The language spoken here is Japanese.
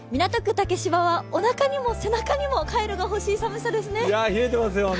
竹芝はおなかにも背中にもカイロが欲しい寒さですね。